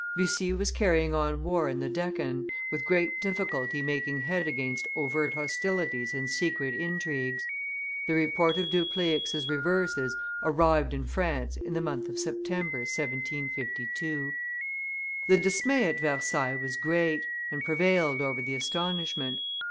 Bussy was carrying on war in the Deccan, with great difficulty making head against overt hostilities and secret intrigues. The report of Dupleix's reverses arrived in France in the month of September, 1752. [Illustration: Death of the Nabob of the Carnatic 174] The dismay at Versailles was great, and prevailed over the astonishment.